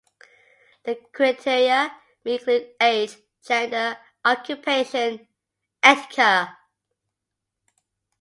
The criteria may include age, gender, occupation, etc.